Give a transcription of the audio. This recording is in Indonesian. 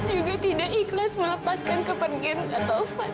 juga tidak ikhlas melepaskan kepergian kak taufan